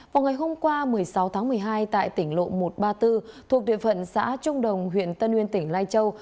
vào ngày hôm qua một mươi sáu tháng một mươi hai tại tỉnh lộ một trăm ba mươi bốn thuộc địa phận xã trung đồng huyện tân nguyên tỉnh lai châu